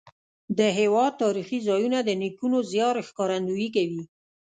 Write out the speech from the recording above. د هېواد تاریخي ځایونه د نیکونو زیار ښکارندویي کوي.